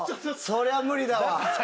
そりゃ無理だわ。